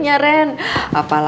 udah ke kamar dulu